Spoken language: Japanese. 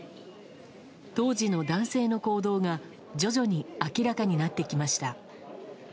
当時の男性の行動が徐々に明らかになってきました。